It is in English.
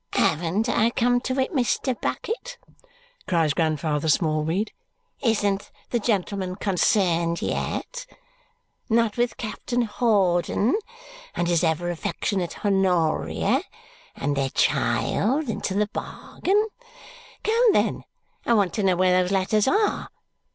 "Haven't I come to it, Mr. Bucket?" cries Grandfather Smallweed. "Isn't the gentleman concerned yet? Not with Captain Hawdon, and his ever affectionate Honoria, and their child into the bargain? Come, then, I want to know where those letters are.